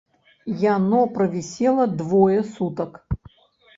Яно правісела двое сутак.